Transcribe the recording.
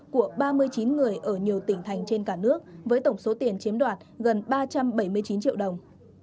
của ba mươi chín người ở nhiều tỉnh thành trên cả nước với tổng số tiền chiếm đoạt gần ba trăm bảy mươi chín triệu đồng